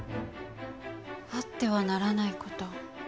あってはならない事。